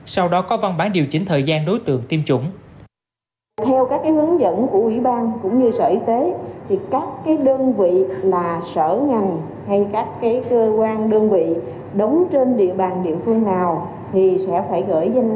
sau đó có văn bản điều chỉnh thời gian đối tượng tiêm chủng